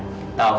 tuhan sudah sadar